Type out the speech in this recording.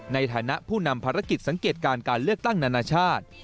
ในฐานะผู้นำภารกิจสังเกตการการเลือกตั้งนานาชาติ